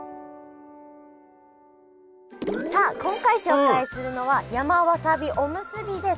さあ今回紹介するのは山わさびおむすびです。